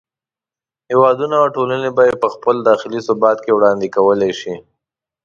هېوادونه او ټولنې یې په خپل داخلي ثبات کې وړاندې کولای شي.